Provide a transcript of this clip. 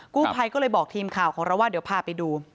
กู้ภัยก็เลยบอกทีมข่าวของเราว่าเดี๋ยวพาไปดู